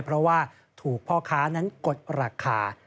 เพราะว่าถูกพ่อค้านั้นกดราคา